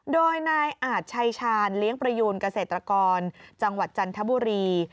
โดยนายอาจชัยชาญเลี้ยงประยูนเกษตรกรจังหวัดจันทบุรี